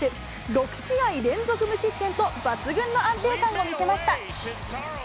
６試合連続無失点と抜群の安定感を見せました。